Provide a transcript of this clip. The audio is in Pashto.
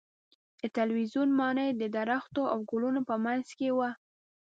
د تلویزیون ماڼۍ د درختو او ګلونو په منځ کې وه.